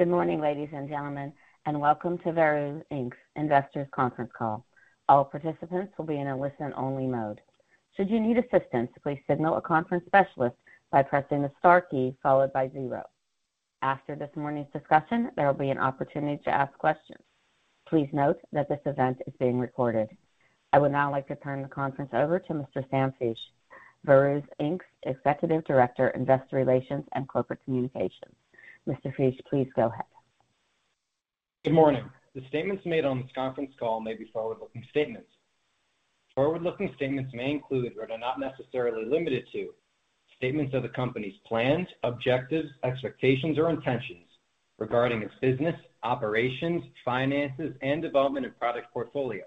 Good morning, ladies and gentlemen, and welcome to Veru Inc's Investors Conference Call. All participants will be in a listen-only mode. Should you need assistance, please signal a conference specialist by pressing the star key followed by zero. After this morning's discussion, there will be an opportunity to ask questions. Please note that this event is being recorded. I would now like to turn the conference over to Mr. Samuel Fisch, Veru Inc's Executive Director, Investor Relations and Corporate Communications. Mr. Fisch, please go ahead. Good morning. The statements made on this conference call may be forward-looking statements. Forward-looking statements may include, but are not necessarily limited to, statements of the company's plans, objectives, expectations, or intentions regarding its business, operations, finances, and development of product portfolio.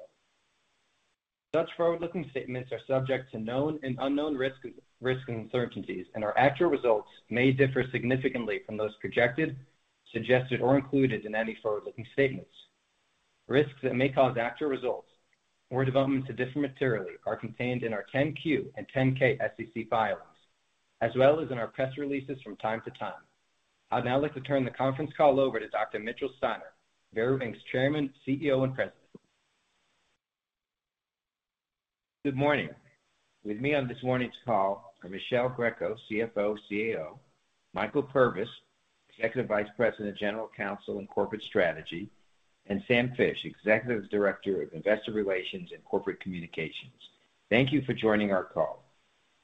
Such forward-looking statements are subject to known and unknown risks and uncertainties, and our actual results may differ significantly from those projected, suggested, or included in any forward-looking statements. Risks that may cause actual results or developments to differ materially are contained in our 10-Q and 10-K SEC filings, as well as in our press releases from time to time. I'd now like to turn the conference call over to Dr. Mitchell Steiner, Veru Inc.'s Chairman, CEO, and President. Good morning. With me on this morning's call are Michele Greco, CFO, CAO, Michael Purvis, Executive Vice President, General Counsel, and Corporate Strategy, and Samuel Fisch, Executive Director of Investor Relations and Corporate Communications. Thank you for joining our call.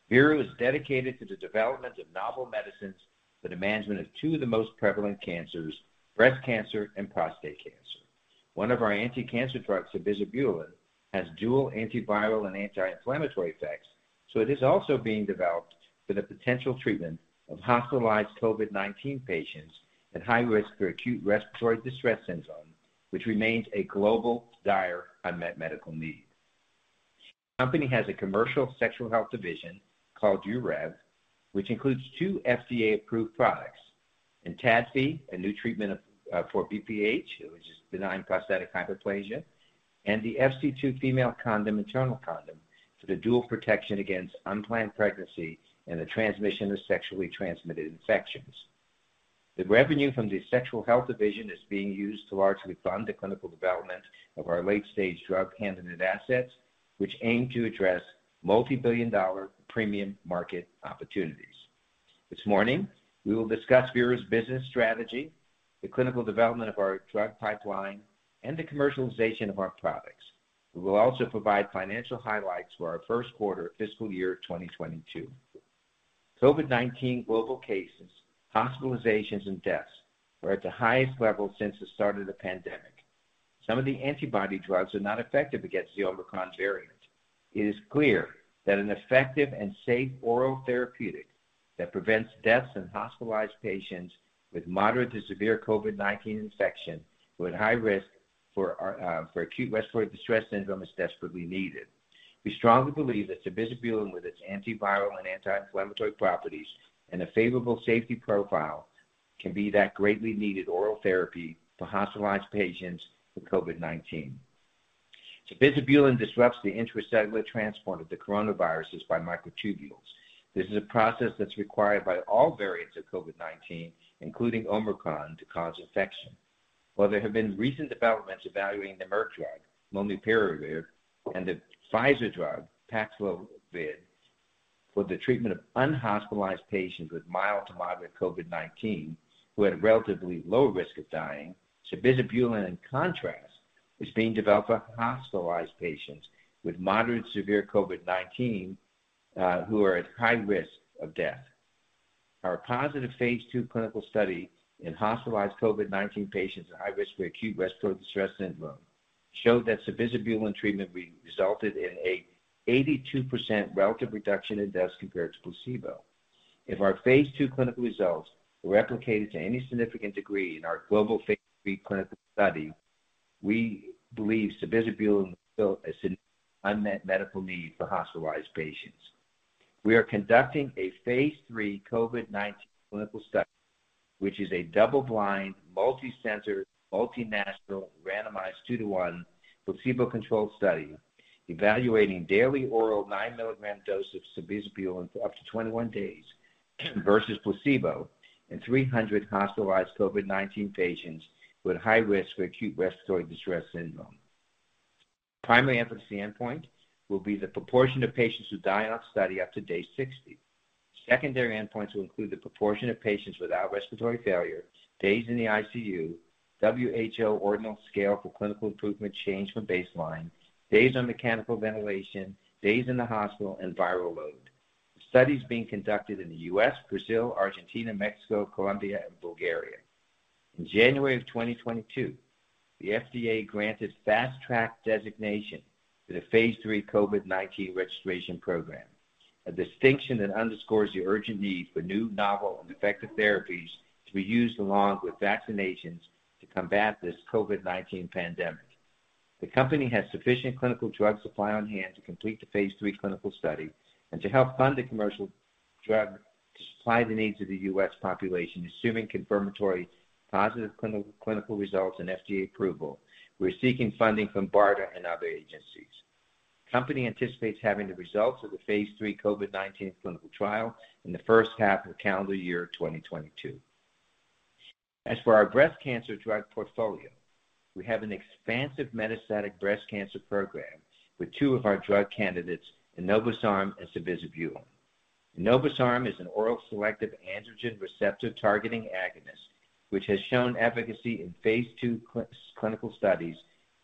Veru is dedicated to the development of novel medicines for the management of two of the most prevalent cancers, breast cancer and prostate cancer. One of our anticancer drugs, sabizabulin, has dual antiviral and anti-inflammatory effects, so it is also being developed for the potential treatment of hospitalized COVID-19 patients at high risk for acute respiratory distress syndrome, which remains a global dire unmet medical need. The company has a commercial sexual health division called Urev, which includes two FDA-approved products, ENTADFI, a new treatment of, for BPH, which is benign prostatic hyperplasia, and the FC2 female condom, internal condom for the dual protection against unplanned pregnancy and the transmission of sexually transmitted infections. The revenue from the sexual health division is being used to largely fund the clinical development of our late-stage drug candidate assets, which aim to address multi-billion dollar premium market opportunities. This morning, we will discuss Veru's business strategy, the clinical development of our drug pipeline, and the commercialization of our products. We will also provide financial highlights for our first quarter of fiscal year 2022. COVID-19 global cases, hospitalizations, and deaths are at the highest level since the start of the pandemic. Some of the antibody drugs are not effective against the Omicron variant. It is clear that an effective and safe oral therapeutic that prevents deaths in hospitalized patients with moderate to severe COVID-19 infection who are at high risk for acute respiratory distress syndrome is desperately needed. We strongly believe that sabizabulin, with its antiviral and anti-inflammatory properties and a favorable safety profile, can be that greatly needed oral therapy for hospitalized patients with COVID-19. Sabizabulin disrupts the intracellular transport of the coronaviruses by microtubules. This is a process that's required by all variants of COVID-19, including Omicron, to cause infection. While there have been recent developments evaluating the Merck drug, molnupiravir, and the Pfizer drug, PAXLOVID, for the treatment of unhospitalized patients with mild to moderate COVID-19 who had relatively low risk of dying, sabizabulin, in contrast, is being developed for hospitalized patients with moderate to severe COVID-19 who are at high risk of death. Our positive phase II clinical study in hospitalized COVID-19 patients at high risk for acute respiratory distress syndrome showed that sabizabulin treatment resulted in an 82% relative reduction in deaths compared to placebo. If our phase II clinical results were replicated to any significant degree in our global phase III clinical study, we believe sabizabulin will fill a significant unmet medical need for hospitalized patients. We are conducting a phase III COVID-19 clinical study, which is a double-blind, multicenter, multinational randomized 2:1 placebo-controlled study evaluating daily oral 9-mg dose of sabizabulin for up to 21 days versus placebo in 300 hospitalized COVID-19 patients with high risk for acute respiratory distress syndrome. The primary efficacy endpoint will be the proportion of patients who die on study up to day 60. Secondary endpoints will include the proportion of patients without respiratory failure, days in the ICU, WHO ordinal scale for clinical improvement change from baseline, days on mechanical ventilation, days in the hospital, and viral load. The study is being conducted in the U.S., Brazil, Argentina, Mexico, Colombia, and Bulgaria. In January 2022, the FDA granted Fast Track designation to the phase III COVID-19 registration program, a distinction that underscores the urgent need for new, novel, and effective therapies to be used along with vaccinations to combat this COVID-19 pandemic. The company has sufficient clinical drug supply on hand to complete the phase III clinical study and to help fund the commercial drug to supply the needs of the U.S. population, assuming confirmatory positive clinical results and FDA approval. We're seeking funding from BARDA and other agencies. Company anticipates having the results of the phase III COVID-19 clinical trial in the first half of calendar year 2022. As for our breast cancer drug portfolio, we have an expansive metastatic breast cancer program with two of our drug candidates, enobosarm and sabizabulin. Enobosarm is an oral selective androgen receptor targeting agonist, which has shown efficacy in phase II clinical studies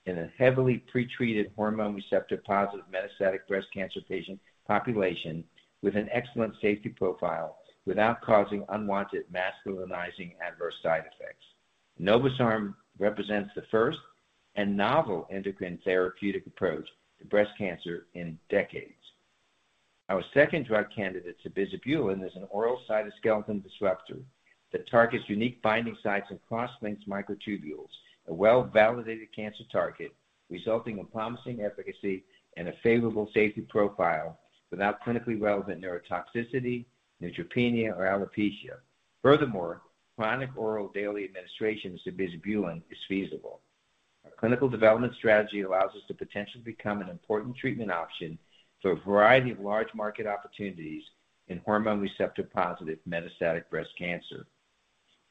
in a heavily pretreated hormone receptor-positive metastatic breast cancer patient population with an excellent safety profile without causing unwanted masculinizing adverse side effects. Enobosarm represents the first and novel endocrine therapeutic approach to breast cancer in decades. Our second drug candidate, sabizabulin, is an oral cytoskeleton disruptor that targets unique binding sites of cross-linked microtubules, a well-validated cancer target resulting in promising efficacy and a favorable safety profile without clinically relevant neurotoxicity, neutropenia, or alopecia. Furthermore, chronic oral daily administration of sabizabulin is feasible. Our clinical development strategy allows us to potentially become an important treatment option for a variety of large market opportunities in hormone receptor-positive metastatic breast cancer.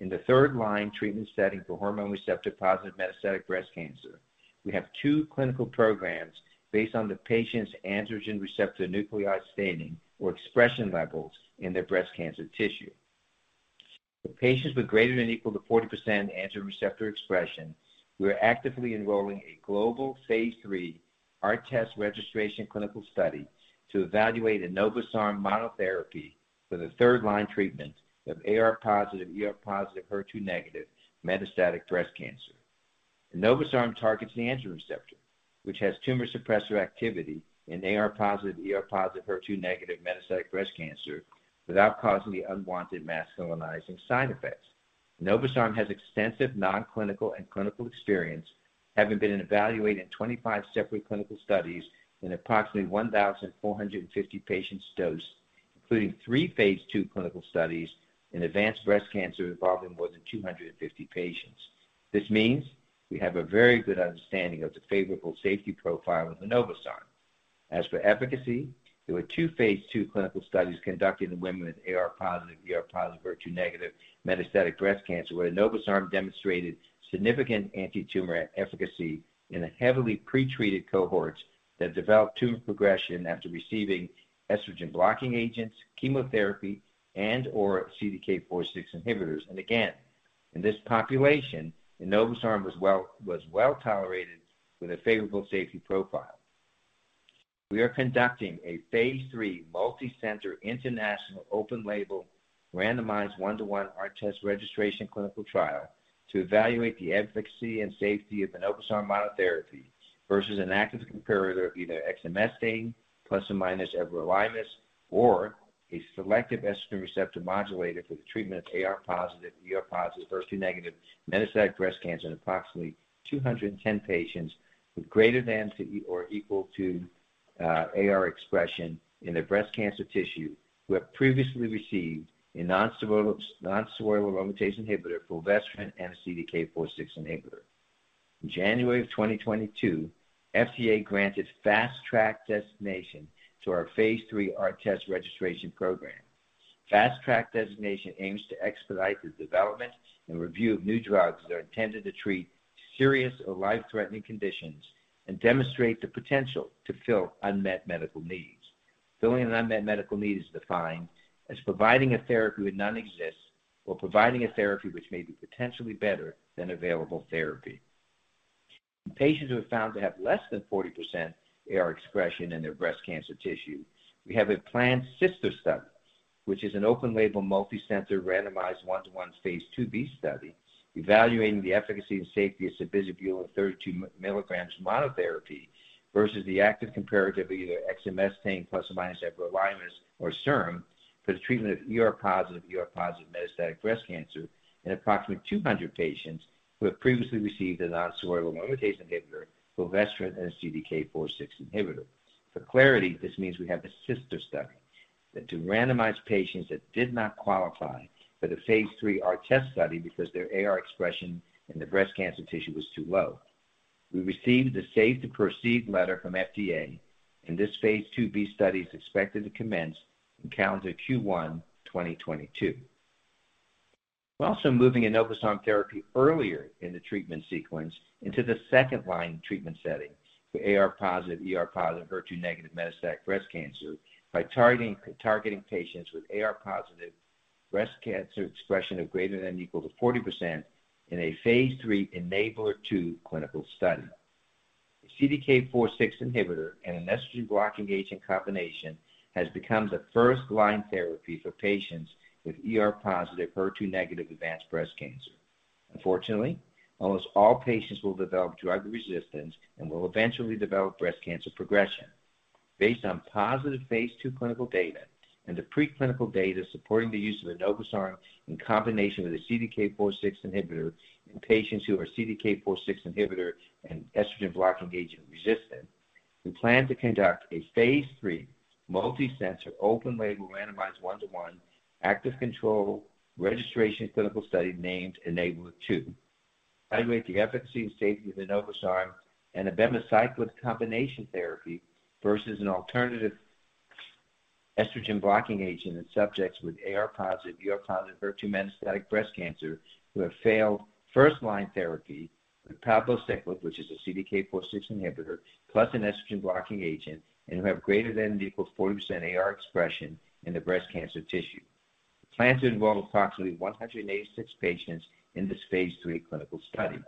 In the third-line treatment setting for hormone receptor-positive metastatic breast cancer, we have two clinical programs based on the patient's androgen receptor nuclear staining or expression levels in their breast cancer tissue. For patients with greater than or equal to 40% androgen receptor expression, we are actively enrolling a global phase III ARTEST registration clinical study to evaluate enobosarm monotherapy for the third-line treatment of AR-positive, ER-positive, HER2-negative metastatic breast cancer. Enobosarm targets the androgen receptor, which has tumor suppressor activity in AR-positive, ER-positive, HER2-negative metastatic breast cancer without causing the unwanted masculinizing side effects. Enobosarm has extensive non-clinical and clinical experience, having been evaluated in 25 separate clinical studies in approximately 1,450 patients dosed, including three phase II clinical studies in advanced breast cancer involving more than 250 patients. This means we have a very good understanding of the favorable safety profile of Enobosarm. As for efficacy, there were two phase II clinical studies conducted in women with AR-positive, ER-positive, HER2-negative metastatic breast cancer, where Enobosarm demonstrated significant antitumor efficacy in a heavily pretreated cohort that developed tumor progression after receiving estrogen blocking agents, chemotherapy, and/or CDK4/6 inhibitors. Again, in this population, enobosarm was well tolerated with a favorable safety profile. We are conducting a phase III multicenter international open label randomized one-to-one ARTEST registration clinical trial to evaluate the efficacy and safety of enobosarm monotherapy versus an active comparator of either exemestane plus or minus everolimus or a selective estrogen receptor modulator for the treatment of AR-positive, ER-positive, HER2-negative metastatic breast cancer in approximately 210 patients with greater than or equal to AR expression in their breast cancer tissue who have previously received a nonsteroidal aromatase inhibitor, fulvestrant, and a CDK4/6 inhibitor. In January of 2022, FDA granted Fast Track designation to our phase III ARTEST registration program. Fast Track designation aims to expedite the development and review of new drugs that are intended to treat serious or life-threatening conditions and demonstrate the potential to fill unmet medical needs. Filling an unmet medical need is defined as providing a therapy where none exists or providing a therapy which may be potentially better than available therapy. In patients who are found to have less than 40% AR expression in their breast cancer tissue, we have a planned sister study, which is an open label multicenter randomized 1:1 phase II-B study evaluating the efficacy and safety of sabizabulin 32 mg monotherapy versus the active comparator of either exemestane plus or minus everolimus or SERM for the treatment of ER-positive metastatic breast cancer in approximately 200 patients who have previously received a nonsteroidal aromatase inhibitor, fulvestrant, and a CDK4/6 inhibitor. For clarity, this means we have a sister study to randomize patients that did not qualify for the phase III ARTEST study because their AR expression in the breast cancer tissue was too low. We received the Safe to Proceed letter from FDA, and this phase II-B study is expected to commence in calendar Q1 2022. We're also moving enobosarm therapy earlier in the treatment sequence into the second-line treatment setting for AR-positive, ER-positive, HER2-negative metastatic breast cancer by targeting patients with AR-positive breast cancer expression of greater than or equal to 40% in a phase III ENABLAR-2 clinical study. A CDK4/6 inhibitor and an estrogen blocking agent combination has become the first-line therapy for patients with ER-positive, HER2-negative advanced breast cancer. Unfortunately, almost all patients will develop drug resistance and will eventually develop breast cancer progression. Based on positive phase II clinical data and the preclinical data supporting the use of enobosarm in combination with a CDK4/6 inhibitor in patients who are CDK4/6 inhibitor and estrogen blocking agent resistant, we plan to conduct a phase III multicenter open-label randomized 1:1 active control registration clinical study named ENABLAR-2 to evaluate the efficacy and safety of enobosarm and abemaciclib combination therapy versus an alternative estrogen blocking agent in subjects with AR-positive, ER-positive HER2 metastatic breast cancer who have failed first-line therapy with palbociclib, which is a CDK4/6 inhibitor, plus an estrogen blocking agent, and who have ≥40% AR expression in the breast cancer tissue. Plans to enroll approximately 186 patients in this phase III clinical study.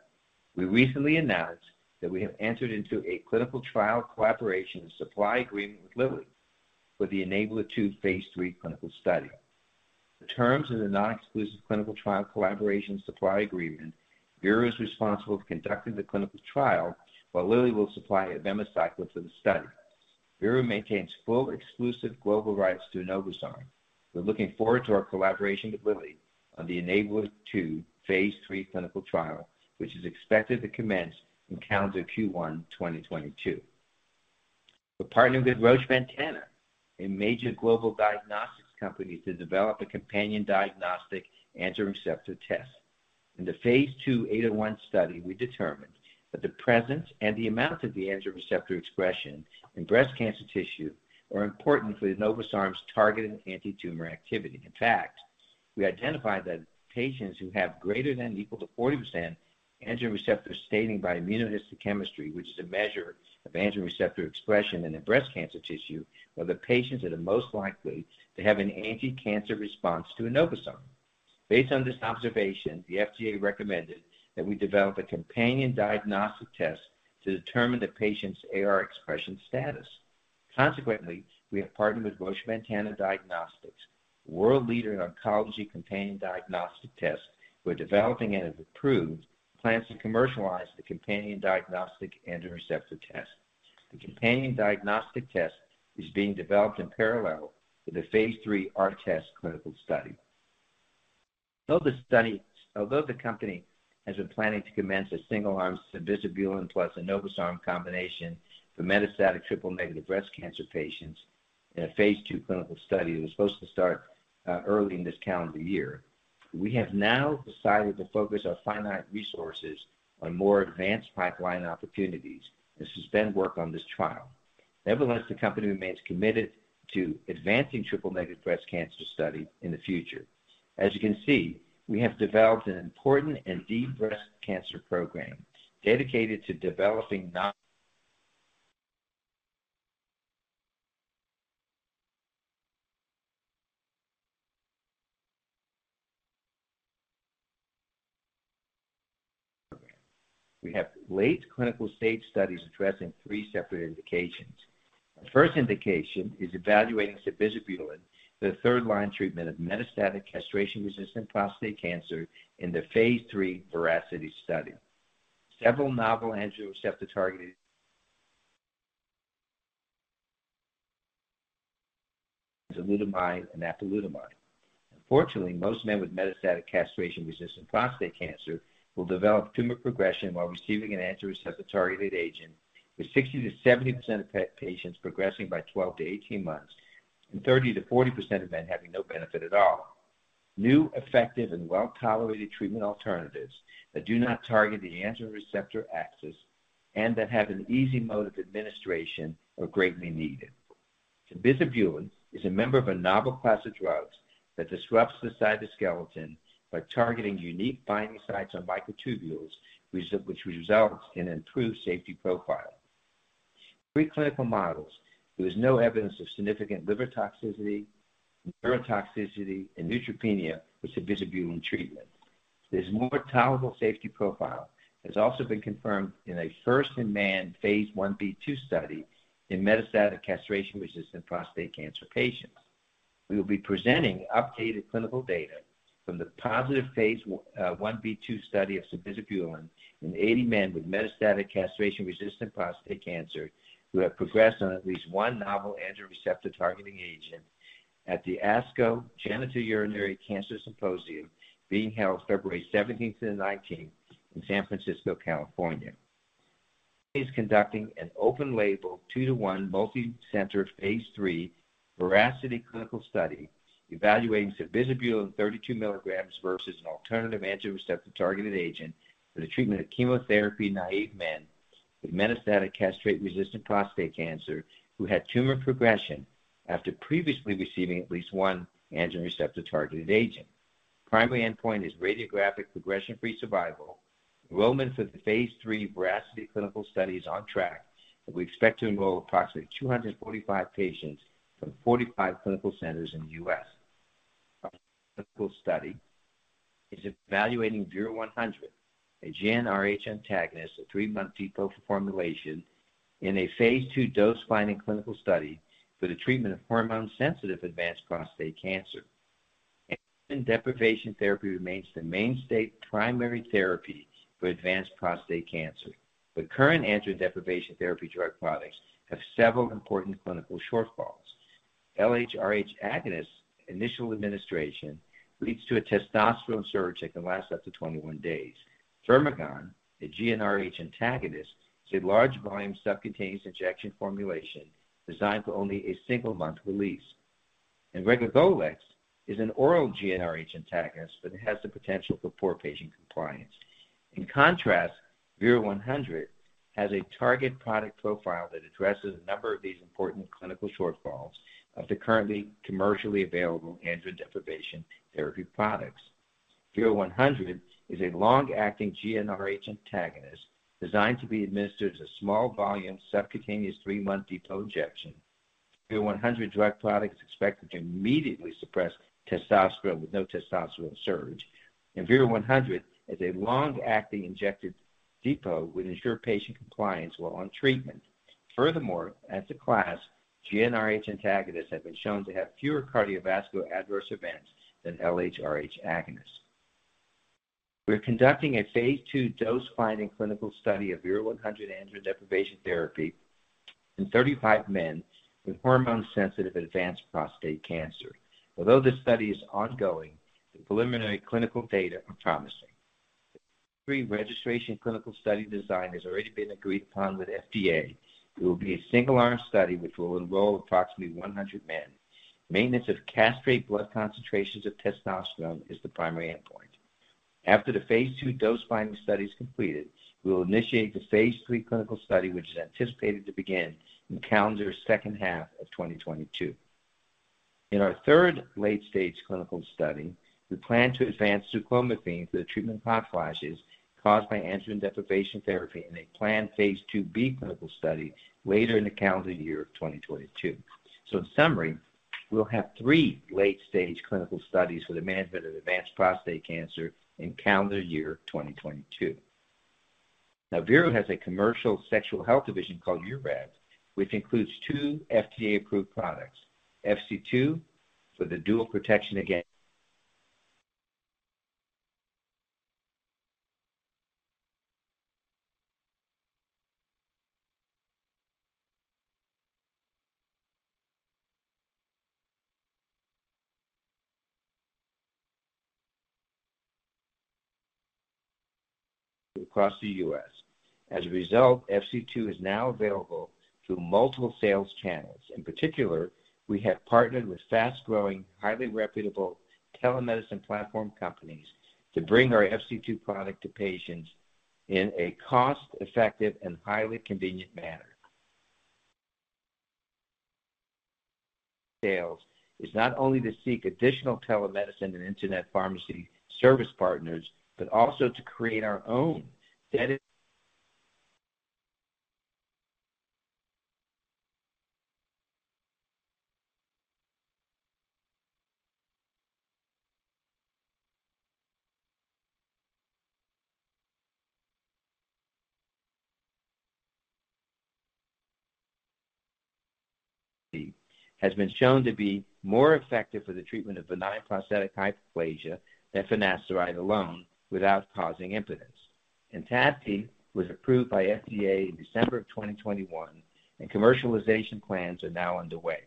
We recently announced that we have entered into a clinical trial collaboration and supply agreement with Lilly for the ENABLAR-2 phase III clinical study. The terms of the non-exclusive clinical trial collaboration supply agreement. Veru is responsible for conducting the clinical trial while Lilly will supply abemaciclib for the study. Veru maintains full exclusive global rights to enobosarm. We're looking forward to our collaboration with Lilly on the ENABLAR-2 phase III clinical trial, which is expected to commence in calendar Q1 2022. We're partnered with Roche Ventana, a major global diagnostics company, to develop a companion diagnostic androgen receptor test. In the phase II ETA-1 study, we determined that the presence and the amount of the androgen receptor expression in breast cancer tissue are important for enobosarm's targeted anti-tumor activity. In fact, we identified that patients who have greater than or equal to 40% androgen receptor staining by immunohistochemistry, which is a measure of androgen receptor expression in the breast cancer tissue, are the patients that are most likely to have an anti-cancer response to enobosarm. Based on this observation, the FDA recommended that we develop a companion diagnostic test to determine the patient's AR expression status. Consequently, we have partnered with Roche Tissue Diagnostics, world leader in oncology companion diagnostic tests, who are developing and have approved plans to commercialize the companion diagnostic androgen receptor test. The companion diagnostic test is being developed in parallel with the phase III ARTEST clinical study. Although the company has been planning to commence a single-arm sabizabulin plus enobosarm combination for metastatic triple-negative breast cancer patients in a phase II clinical study that was supposed to start early in this calendar year, we have now decided to focus our finite resources on more advanced pipeline opportunities and suspend work on this trial. Nevertheless, the company remains committed to advancing triple-negative breast cancer study in the future. As you can see, we have developed an important and deep breast cancer program dedicated to developing late clinical stage studies addressing three separate indications. The first indication is evaluating sabizabulin, the third-line treatment of metastatic castration-resistant prostate cancer in the phase III VERACITY study. Several novel androgen receptor-targeted enzalutamide and apalutamide. Unfortunately, most men with metastatic castration-resistant prostate cancer will develop tumor progression while receiving an androgen receptor-targeted agent, with 60%-70% of patients progressing by 12-18 months, and 30%-40% of men having no benefit at all. New, effective, and well-tolerated treatment alternatives that do not target the androgen receptor axis and that have an easy mode of administration are greatly needed. Sabizabulin is a member of a novel class of drugs that disrupts the cytoskeleton by targeting unique binding sites on microtubules, which results in an improved safety profile. In preclinical models, there was no evidence of significant liver toxicity, neurotoxicity, and neutropenia with sabizabulin treatment. This more tolerable safety profile has also been confirmed in a first-in-man phase I-B/II study in metastatic castration-resistant prostate cancer patients. We will be presenting updated clinical data from the positive phase I-B/II study of sabizabulin in 80 men with metastatic castration-resistant prostate cancer who have progressed on at least one novel androgen receptor targeting agent at the ASCO Genitourinary Cancers Symposium being held February 17-19 in San Francisco, California. We are conducting an open-label 2:1 multicenter phase III VERACITY clinical study evaluating sabizabulin 32 milligrams versus an alternative androgen receptor-targeted agent for the treatment of chemotherapy-naive men with metastatic castration-resistant prostate cancer who had tumor progression after previously receiving at least one androgen receptor-targeted agent. Primary endpoint is radiographic progression-free survival. Enrollment for the phase III VERACITY clinical study is on track, and we expect to enroll approximately 245 patients from 45 clinical centers in the U.S. Clinical study is evaluating VERU-100, a GnRH antagonist, a three-month depot formulation in a phase II dose-finding clinical study for the treatment of hormone-sensitive advanced prostate cancer. Deprivation therapy remains the mainstay primary therapy for advanced prostate cancer. The current androgen deprivation therapy drug products have several important clinical shortfalls. LHRH agonist initial administration leads to a testosterone surge that can last up to 21 days. Firmagon, a GnRH antagonist, is a large volume subcutaneous injection formulation designed for only a single-month release. Relugolix is an oral GnRH antagonist that has the potential for poor patient compliance. In contrast, VERU-100 has a target product profile that addresses a number of these important clinical shortfalls of the currently commercially available androgen deprivation therapy products. VERU-100 is a long-acting GnRH antagonist designed to be administered as a small volume subcutaneous three-month depot injection. VERU-100 drug product is expected to immediately suppress testosterone with no testosterone surge. VERU-100 as a long-acting injected depot would ensure patient compliance while on treatment. Furthermore, as a class, GnRH antagonists have been shown to have fewer cardiovascular adverse events than LHRH agonists. We're conducting a phase II dose-finding clinical study of VERU-100 androgen deprivation therapy in 35 men with hormone-sensitive advanced prostate cancer. Although this study is ongoing, the preliminary clinical data are promising. The phase III registration clinical study design has already been agreed upon with FDA. It will be a single-arm study which will enroll approximately 100 men. Maintenance of castrate blood concentrations of testosterone is the primary endpoint. After the phase II dose-finding study is completed, we will initiate the phase III clinical study, which is anticipated to begin in calendar second half of 2022. In our third late-stage clinical study, we plan to advance zuclomiphene for the treatment of hot flashes caused by androgen deprivation therapy in a planned phase II-B clinical study later in the calendar year 2022. In summary, we'll have three late-stage clinical studies for the management of advanced prostate cancer in calendar year 2022. Now, Veru has a commercial sexual health division called Urev, which includes two FDA-approved products, FC2 for the dual protection against pregnancy and STIs across the U.S. As a result, FC2 is now available through multiple sales channels. In particular, we have partnered with fast-growing, highly reputable telemedicine platform companies to bring our FC2 product to patients in a cost-effective and highly convenient manner. Sales is not only to seek additional telemedicine and internet pharmacy service partners, but also to create our own dedicated. Has been shown to be more effective for the treatment of benign prostatic hyperplasia than finasteride alone without causing impotence. ENTADFI was approved by FDA in December 2021, and commercialization plans are now underway.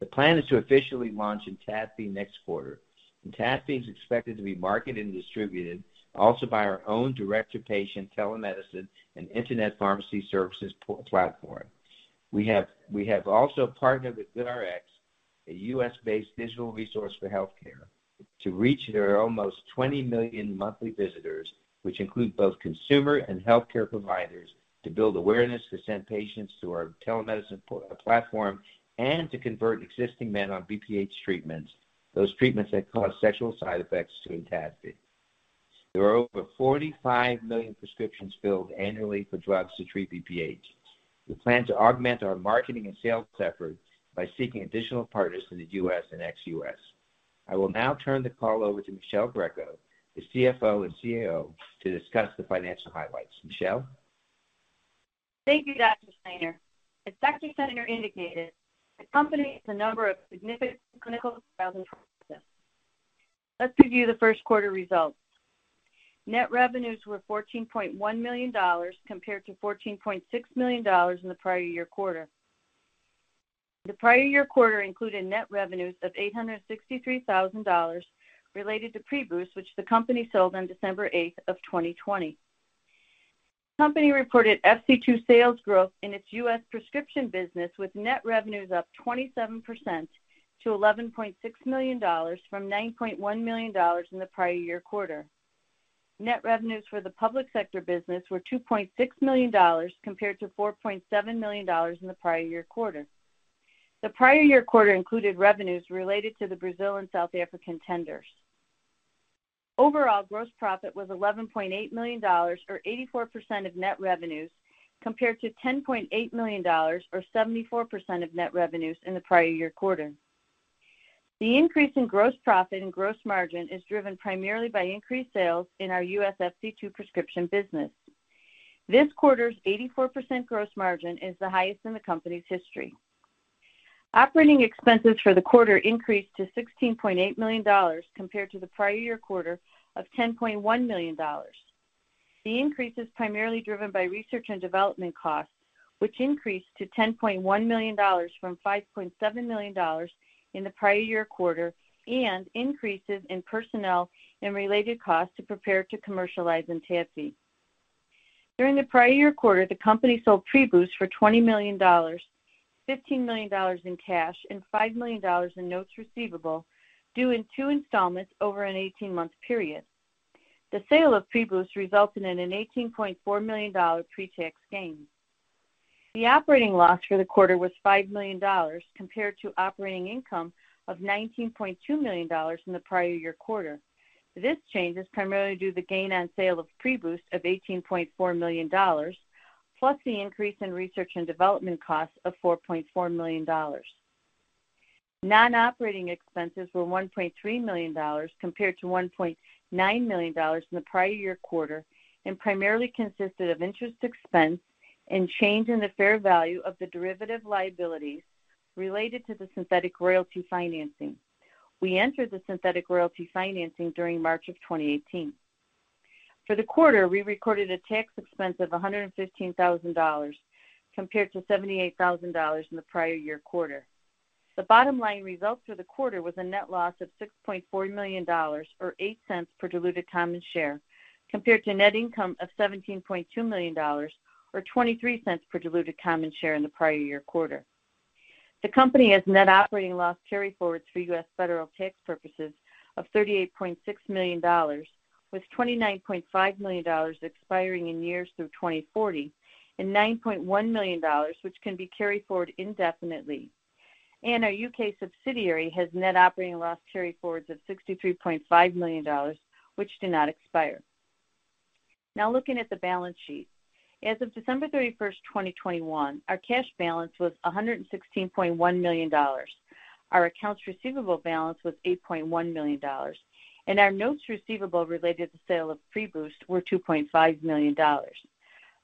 The plan is to officially launch ENTADFI next quarter. ENTADFI is expected to be marketed and distributed also by our own direct-to-patient telemedicine and internet pharmacy services platform. We have also partnered with GoodRx, a U.S.-based digital resource for healthcare, to reach their almost 20 million monthly visitors, which include both consumer and healthcare providers, to build awareness to send patients to our telemedicine platform and to convert existing men on BPH treatments, those treatments that cause sexual side effects, to ENTADFI. There are over 45 million prescriptions filled annually for drugs to treat BPH. We plan to augment our marketing and sales efforts by seeking additional partners in the U.S. and ex-U.S. I will now turn the call over to Michele Greco, the CFO and COO, to discuss the financial highlights. Michele. Thank you, Dr. Steiner. As Dr. Steiner indicated, the company has a number of significant clinical trials and processes. Let's review the first quarter results. Net revenues were $14.1 million compared to $14.6 million in the prior year quarter. The prior year quarter included net revenues of $863,000 related to PREBOOST, which the company sold on December 8, 2020. The company reported FC2 sales growth in its U.S. prescription business, with net revenues up 27% to $11.6 million from $9.1 million in the prior year quarter. Net revenues for the public sector business were $2.6 million compared to $4.7 million in the prior year quarter. The prior year quarter included revenues related to the Brazil and South African tenders. Overall, gross profit was $11.8 million or 84% of net revenues compared to $10.8 million or 74% of net revenues in the prior year quarter. The increase in gross profit and gross margin is driven primarily by increased sales in our U.S. FC2 prescription business. This quarter's 84% gross margin is the highest in the company's history. Operating expenses for the quarter increased to $16.8 million compared to the prior year quarter of $10.1 million. The increase is primarily driven by research and development costs, which increased to $10.1 million from $5.7 million in the prior year quarter, and increases in personnel and related costs to prepare to commercialize ENTADFI. During the prior year quarter, the company sold PREBOOST for $20 million, $15 million in cash, and $5 million in notes receivable due in two installments over an 18-month period. The sale of PREBOOST resulted in an $18.4 million pre-tax gain. The operating loss for the quarter was $5 million compared to operating income of $19.2 million in the prior year quarter. This change is primarily due to the gain on sale of PREBOOST of $18.4 million, plus the increase in research and development costs of $4.4 million. Non-operating expenses were $1.3 million compared to $1.9 million in the prior year quarter, and primarily consisted of interest expense and change in the fair value of the derivative liabilities related to the synthetic royalty financing. We entered the synthetic royalty financing during March of 2018. For the quarter, we recorded a tax expense of $115,000 compared to $78,000 in the prior year quarter. The bottom line results for the quarter was a net loss of $6.4 million or $0.08 per diluted common share, compared to net income of $17.2 million or $0.23 per diluted common share in the prior year quarter. The company has net operating loss carryforwards for U.S. federal tax purposes of $38.6 million, with $29.5 million expiring in years through 2040 and $9.1 million, which can be carried forward indefinitely. Our U.K. subsidiary has net operating loss carryforwards of $63.5 million, which do not expire. Now looking at the balance sheet. As of December 31st, 2021, our cash balance was $116.1 million. Our accounts receivable balance was $8.1 million, and our notes receivable related to the sale of PREBOOST were $2.5 million.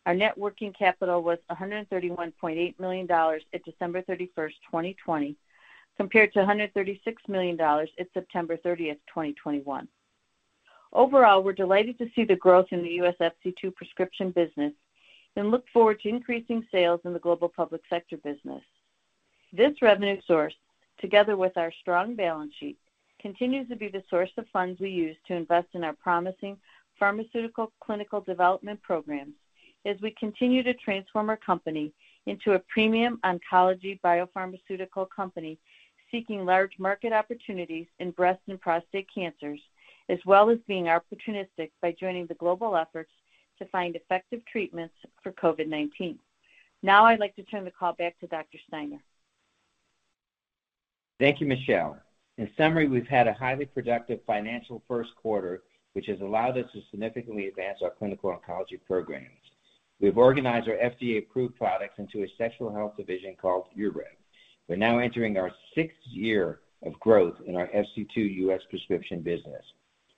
Our net working capital was $131.8 million at December 31, 2020, compared to $136 million at September 30, 2021. Overall, we're delighted to see the growth in the U.S. FC2 prescription business and look forward to increasing sales in the global public sector business. This revenue source, together with our strong balance sheet, continues to be the source of funds we use to invest in our promising pharmaceutical clinical development programs as we continue to transform our company into a premium oncology biopharmaceutical company seeking large market opportunities in breast and prostate cancers, as well as being opportunistic by joining the global efforts to find effective treatments for COVID-19. Now I'd like to turn the call back to Dr. Steiner. Thank you, Michele. In summary, we've had a highly productive financial first quarter, which has allowed us to significantly advance our clinical oncology programs. We've organized our FDA-approved products into a sexual health division called Urev. We're now entering our sixth year of growth in our FC2 U.S. prescription business.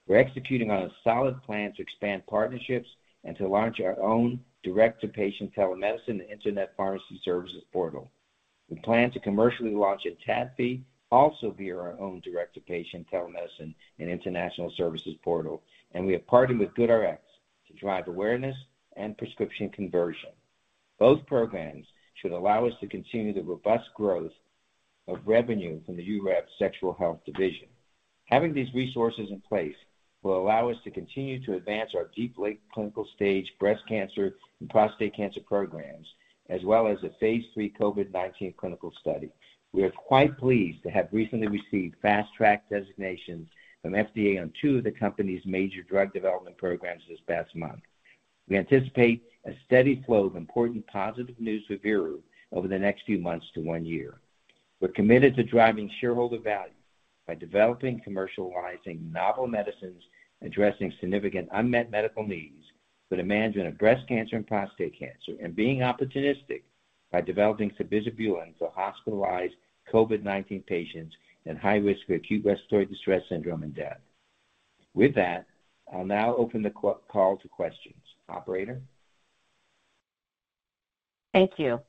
We're executing on a solid plan to expand partnerships and to launch our own direct-to-patient telemedicine and internet pharmacy services portal. We plan to commercially launch ENTADFI, also via our own direct-to-patient telemedicine and international services portal, and we have partnered with GoodRx to drive awareness and prescription conversion. Both programs should allow us to continue the robust growth of revenue from the Urev sexual health division. Having these resources in place will allow us to continue to advance our deep late clinical stage breast cancer and prostate cancer programs, as well as a phase III COVID-19 clinical study. We are quite pleased to have recently received Fast Track designations from FDA on two of the company's major drug development programs this past month. We anticipate a steady flow of important positive news for Veru over the next few months to one year. We're committed to driving shareholder value by developing and commercializing novel medicines, addressing significant unmet medical needs for the management of breast cancer and prostate cancer, and being opportunistic by developing sabizabulin for hospitalized COVID-19 patients and high risk for acute respiratory distress syndrome and death. With that, I'll now open the call to questions. Operator? Thank you.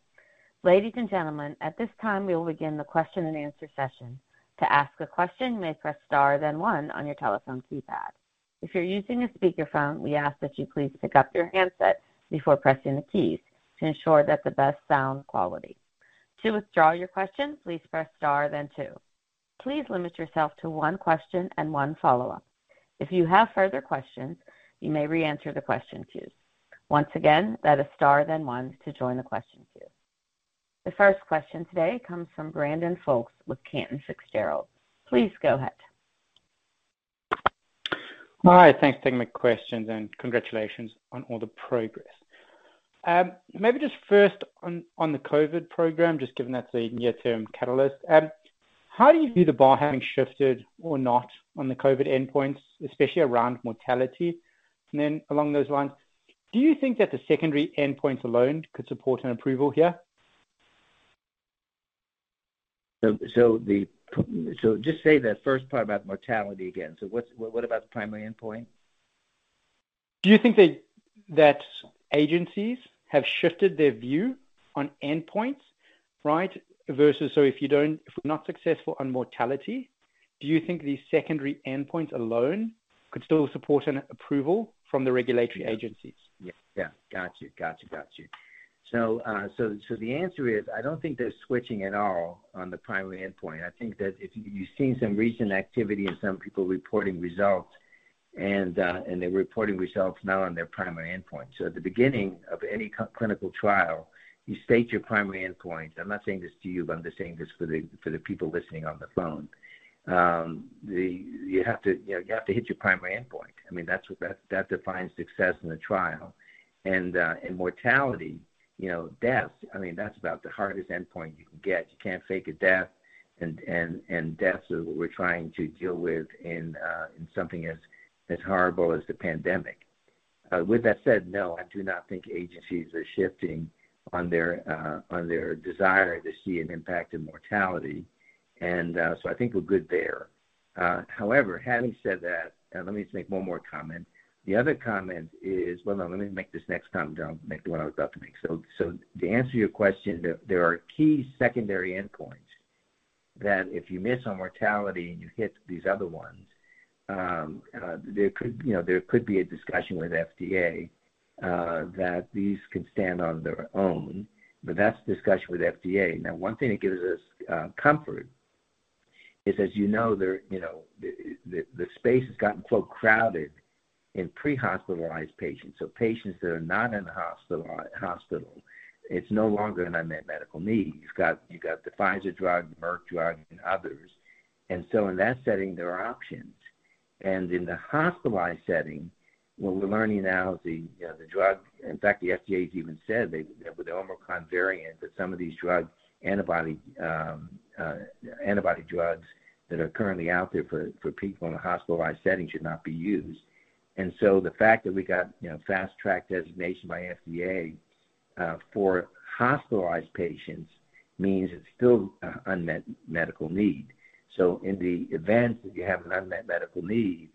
Ladies and gentlemen, at this time, we will begin the question and answer session. To ask a question, you may press star then one on your telephone keypad. If you're using a speakerphone, we ask that you please pick up your handset before pressing the keys to ensure that the best sound quality. To withdraw your question, please press star then two. Please limit yourself to one question and one follow-up. If you have further questions, you may reenter the question queue. Once again, that is star then one to join the question queue. The first question today comes from Brandon Folkes with Cantor Fitzgerald. Please go ahead. All right. Thanks for taking my questions, and congratulations on all the progress. Maybe just first on the COVID program, just given that's a near-term catalyst, how do you view the bar having shifted or not on the COVID endpoints, especially around mortality? Along those lines, do you think that the secondary endpoints alone could support an approval here? Just say the first part about mortality again. What about the primary endpoint? Do you think that agencies have shifted their view on endpoints, right? If we're not successful on mortality, do you think these secondary endpoints alone could still support an approval from the regulatory agencies? Yeah. Got you. The answer is, I don't think they're switching at all on the primary endpoint. I think that if you've seen some recent activity and some people reporting results and they're reporting results now on their primary endpoint. At the beginning of any clinical trial, you state your primary endpoint. I'm not saying this to you, but I'm just saying this for the people listening on the phone. You have to, you know, hit your primary endpoint. I mean, that's what defines success in a trial. Mortality, you know, death, I mean, that's about the hardest endpoint you can get. You can't fake a death. Death is what we're trying to deal with in something as horrible as the pandemic. With that said, no, I do not think agencies are shifting on their desire to see an impact in mortality. I think we're good there. However, having said that, let me just make one more comment. The other comment is. Well, no, let me make this next comment, then I'll make the one I was about to make. To answer your question, there are key secondary endpoints that, if you miss on mortality, and you hit these other ones, there could, you know, there could be a discussion with FDA that these could stand on their own, but that's a discussion with FDA. Now, one thing that gives us comfort is, as you know, the space has gotten so crowded in pre-hospitalized patients, so patients that are not in the hospital, it's no longer an unmet medical need. You've got the Pfizer drug, the Merck drug, and others. In the hospitalized setting, what we're learning now is the drug. In fact, the FDA has even said that, with the Omicron variant, that some of these antibody drugs that are currently out there for people in a hospitalized setting should not be used. The fact that we got Fast Track designation by FDA for hospitalized patients means it's still an unmet medical need. In the event that you have an unmet medical need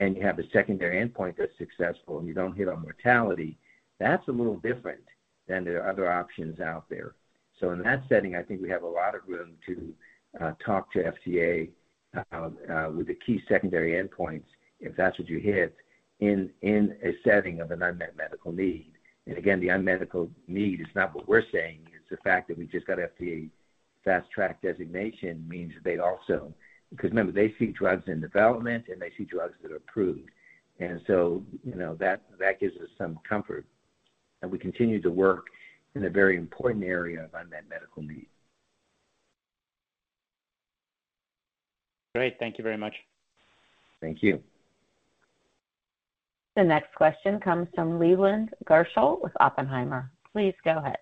and you have a secondary endpoint that's successful, and you don't hit on mortality, that's a little different than the other options out there. In that setting, I think we have a lot of room to talk to FDA with the key secondary endpoints, if that's what you hit in a setting of an unmet medical need. Again, the unmet medical need is not what we're saying. It's the fact that we just got FDA Fast Track designation means that they also. Because remember, they see drugs in development, and they see drugs that are approved. You know, that gives us some comfort. We continue to work in a very important area of unmet medical need. Great. Thank you very much. Thank you. The next question comes from Leland Gershell with Oppenheimer. Please go ahead.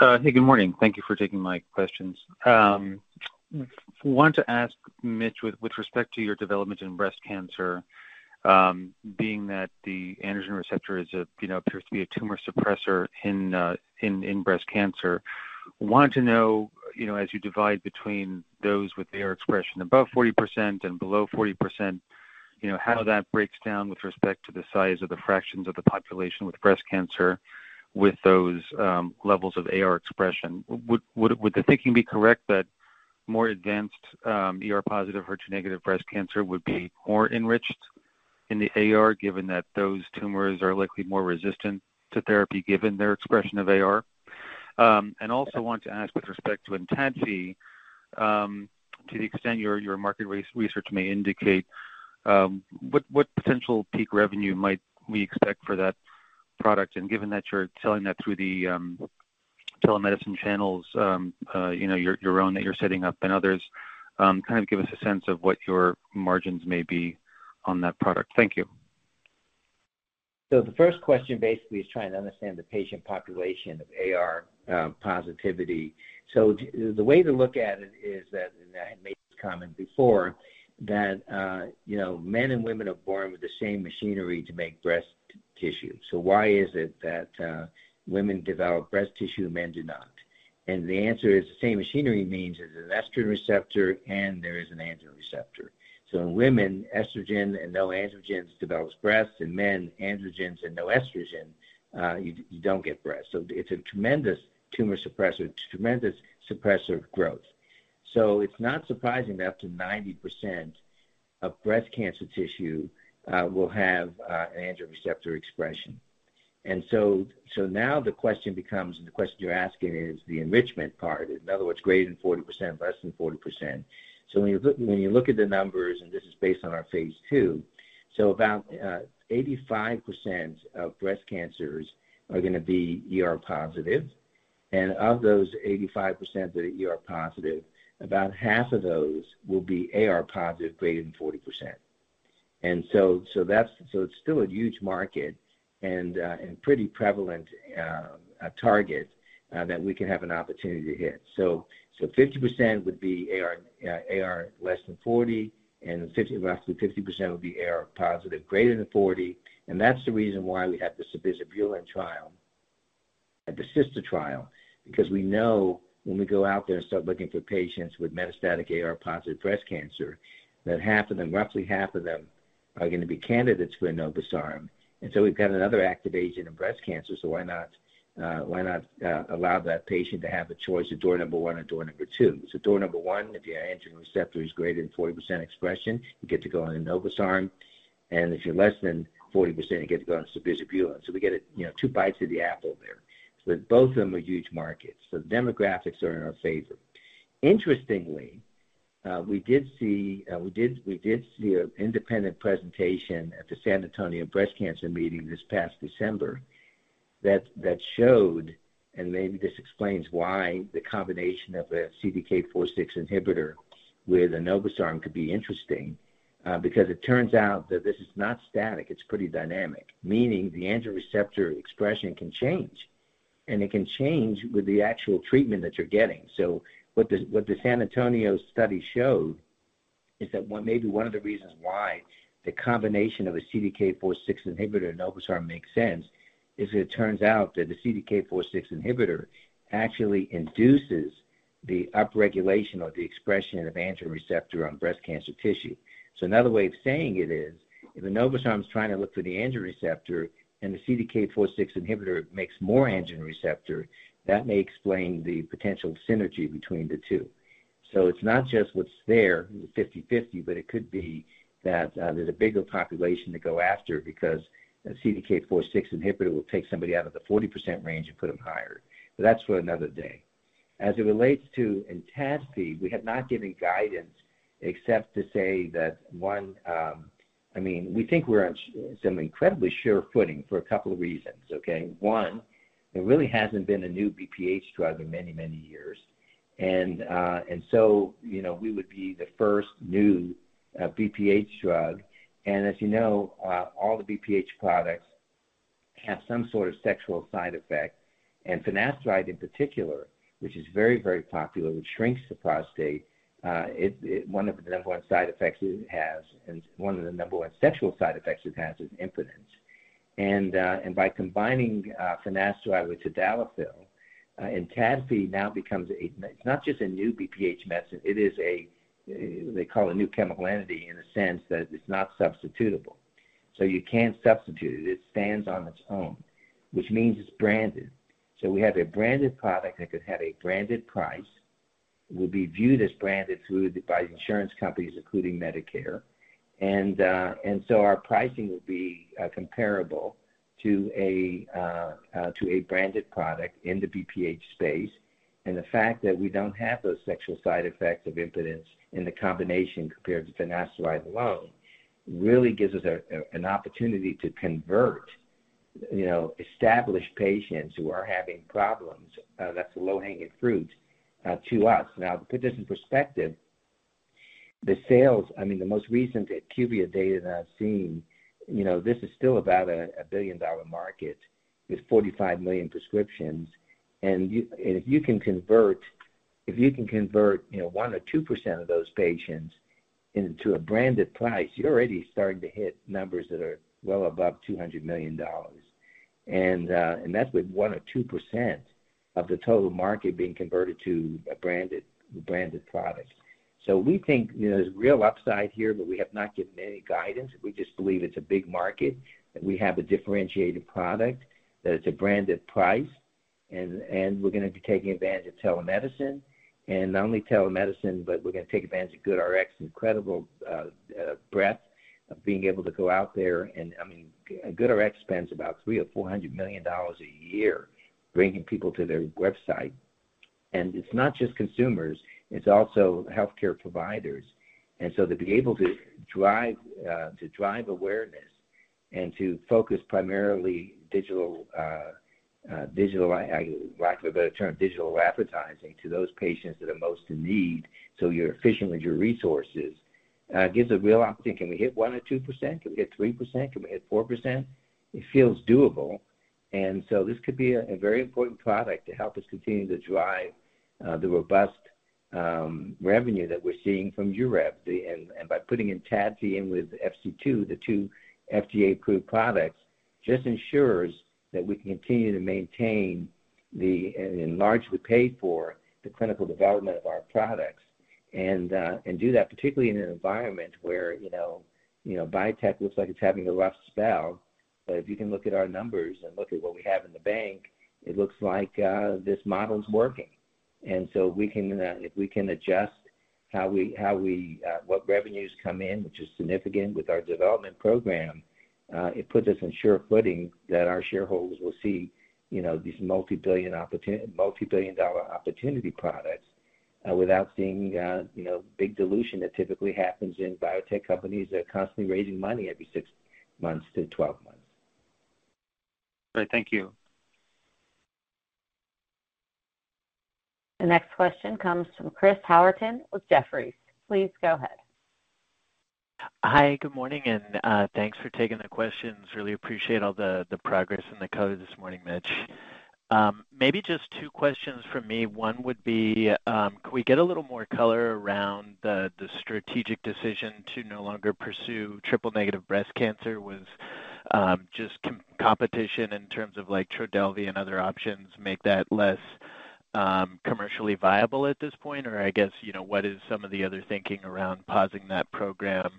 Hey, good morning. Thank you for taking my questions. Wanted to ask Mitch with respect to your development in breast cancer, being that the androgen receptor is, you know, appears to be a tumor suppressor in breast cancer, wanted to know, you know, as you divide between those with AR expression above 40% and below 40%, you know, how that breaks down with respect to the size of the fractions of the population with breast cancer with those levels of AR expression. Would the thinking be correct that more advanced ER-positive HER2-negative breast cancer would be more enriched in the AR, given that those tumors are likely more resistant to therapy, given their expression of AR? I also want to ask with respect to Urev, to the extent your market research may indicate, what potential peak revenue might we expect for that product? Given that you're selling that through the telemedicine channels, you know, your own that you're setting up and others, kind of give us a sense of what your margins may be on that product. Thank you. The first question basically is trying to understand the patient population of AR positivity. The way to look at it is that, and I had made this comment before, that, you know, men and women are born with the same machinery to make breast tissue. Why is it that, women develop breast tissue and men do not? The answer is the same machinery means there's an estrogen receptor and there is an androgen receptor. In women, estrogen and no androgens develops breasts. In men, androgens and no estrogen, you don't get breasts. It's a tremendous tumor suppressor. It's a tremendous suppressor of growth. It's not surprising that up to 90% of breast cancer tissue will have an androgen receptor expression. Now the question becomes, and the question you're asking is the enrichment part. In other words, greater than 40%, less than 40%. When you look at the numbers, and this is based on our phase II, so about 85% of breast cancers are gonna be ER-positive. Of those 85% that are ER-positive, about half of those will be AR-positive, greater than 40%. That's, so it's still a huge market and pretty prevalent target that we can have an opportunity to hit. 50% would be AR less than 40%, and roughly 50% would be AR-positive greater than 40%. That's the reason why we have the sabizabulin trial and the Sister trial, because we know when we go out there and start looking for patients with metastatic AR-positive breast cancer, that half of them, roughly half of them, are gonna be candidates for enobosarm. We've got another active agent in breast cancer, so why not, why not, allow that patient to have the choice of door number one or door number two. Door number one, if your androgen receptor is greater than 40% expression, you get to go on enobosarm. If you're less than 40%, you get to go on sabizabulin. We get a, you know, two bites of the apple there. Both of them are huge markets, so demographics are in our favor. Interestingly, we did see an independent presentation at the San Antonio Breast Cancer Symposium this past December that showed, and maybe this explains why the combination of a CDK4/6 inhibitor with enobosarm could be interesting, because it turns out that this is not static, it's pretty dynamic. Meaning the androgen receptor expression can change, and it can change with the actual treatment that you're getting. What the San Antonio study showed is that one, maybe one of the reasons why the combination of a CDK4/6 inhibitor and enobosarm makes sense is it turns out that the CDK4/6 inhibitor actually induces the upregulation or the expression of androgen receptor on breast cancer tissue. Another way of saying it is, if enobosarm is trying to look for the androgen receptor and the CDK4/6 inhibitor makes more androgen receptor, that may explain the potential synergy between the two. It's not just what's there, 50/50, but it could be that there's a bigger population to go after because a CDK4/6 inhibitor will take somebody out of the 40% range and put them higher. That's for another day. As it relates to ENTADFI, we have not given guidance except to say that one. I mean, we think we're on some incredibly sure footing for a couple of reasons, okay? One, there really hasn't been a new BPH drug in many, many years. You know, we would be the first new BPH drug. As you know, all the BPH products have some sort of sexual side effect. Finasteride in particular, which is very, very popular, which shrinks the prostate, it one of the number one side effects it has, and one of the number one sexual side effects it has, is impotence. By combining finasteride with tadalafil, ENTADFI now becomes. It's not just a new BPH medicine, it is a, they call it new chemical entity in the sense that it's not substitutable. You can't substitute it. It stands on its own, which means it's branded. We have a branded product that could have a branded price, will be viewed as branded through the, by insurance companies, including Medicare. Our pricing will be comparable to a branded product in the BPH space. The fact that we don't have those sexual side effects of impotence in the combination compared to finasteride alone really gives us an opportunity to convert, you know, established patients who are having problems. That's a low-hanging fruit to us. Now to put this in perspective, the sales, I mean, the most recent IQVIA data that I've seen, you know, this is still about a billion-dollar market with 45 million prescriptions. If you can convert, you know, 1% or 2% of those patients into a branded price, you're already starting to hit numbers that are well above $200 million. That's with 1%-2% of the total market being converted to a branded product. We think, you know, there's real upside here, but we have not given any guidance. We just believe it's a big market, that we have a differentiated product, that it's a branded price, and we're gonna be taking advantage of telemedicine. Not only telemedicine, but we're gonna take advantage of GoodRx incredible breadth of being able to go out there and, I mean, GoodRx spends about $300-$400 million a year bringing people to their website. It's not just consumers, it's also healthcare providers. To be able to drive awareness and to focus primarily digital, I lack of a better term, digital advertising to those patients that are most in need so you're efficient with your resources gives a real option. Can we hit 1% or 2%? Can we hit 3%? Can we hit 4%? It feels doable. This could be a very important product to help us continue to drive the robust revenue that we're seeing from Urev. By putting ENTADFI in with FC2, the two FDA-approved products just ensures that we can continue to maintain and largely pay for the clinical development of our products. Do that particularly in an environment where, you know, you know, biotech looks like it's having a rough spell, but if you can look at our numbers and look at what we have in the bank, it looks like this model's working. We can, if we can adjust how we, what revenues come in, which is significant with our development program, it puts us on sure footing that our shareholders will see, you know, these multi-billion dollar opportunity products, without seeing, you know, big dilution that typically happens in biotech companies that are constantly raising money every six months to 12 months. Great. Thank you. The next question comes from Chris Howerton with Jefferies. Please go ahead. Hi, good morning, and thanks for taking the questions. Really appreciate all the progress in the call this morning, Mitch. Maybe just two questions from me. One would be, could we get a little more color around the strategic decision to no longer pursue triple-negative breast cancer? Was just competition in terms of like TRODELVY and other options make that less commercially viable at this point? I guess, you know, what is some of the other thinking around pausing that program?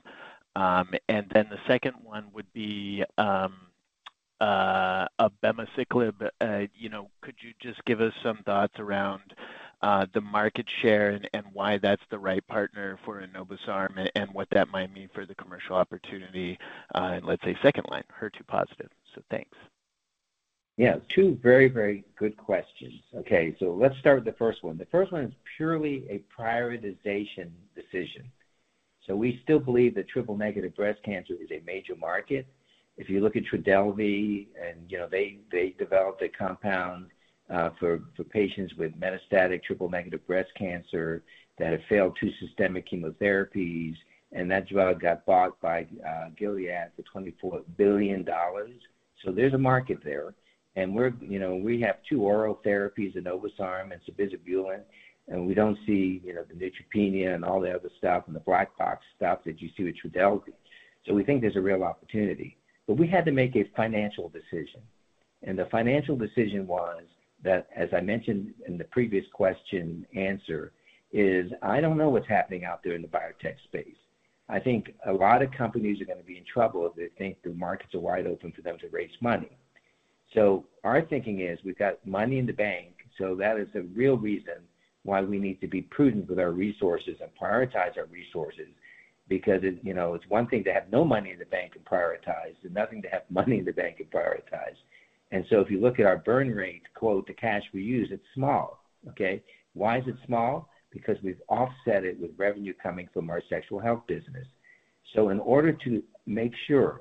The second one would be abemaciclib, you know, could you just give us some thoughts around the market share and why that's the right partner for enobosarm and what that might mean for the commercial opportunity in let's say second-line HER2-positive. So, thanks. Yeah. Two very, very good questions. Okay, let's start with the first one. The first one is purely a prioritization decision. We still believe that triple-negative breast cancer is a major market. If you look at TRODELVY, and you know they developed a compound for patients with metastatic triple-negative breast cancer that had failed two systemic chemotherapies, and that drug got bought by Gilead for $24 billion. There's a market there, and you know we have two oral therapies, enobosarm and sabizabulin, and we don't see, you know, the neutropenia and all the other stuff and the black box stuff that you see with TRODELVY. We think there's a real opportunity. We had to make a financial decision. The financial decision was that, as I mentioned in the previous question answer, is I don't know what's happening out there in the biotech space. I think a lot of companies are gonna be in trouble if they think the markets are wide open for them to raise money. Our thinking is we've got money in the bank, so that is the real reason why we need to be prudent with our resources and prioritize our resources because it, you know, it's one thing to have no money in the bank and prioritize, and another thing to have money in the bank and prioritize. If you look at our burn rate, quote, the cash we use, it's small, okay? Why is it small? Because we've offset it with revenue coming from our sexual health business. In order to make sure,